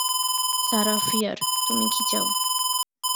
Sarah Fear, তুমি কি চাও?